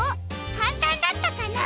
かんたんだったかな？